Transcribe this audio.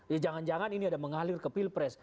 ya jangan jangan ini ada mengalir ke pilpres